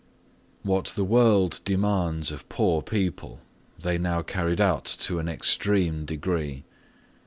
What the world demands of poor people they now carried out to an extreme degree.